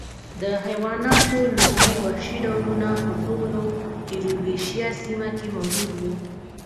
د حیواناتو لومړي وحشي ډولونه په ټوله ایرویشیا سیمه کې موجود و